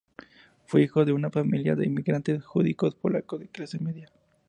Fue hijo de una familia de inmigrantes judíos polacos de clase media.